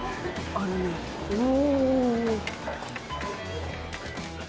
お。